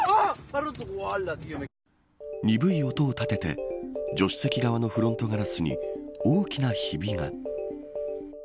にぶい音を立てて助手席側のフロントガラスに大きなひびが。